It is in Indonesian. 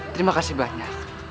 terima kasih banyak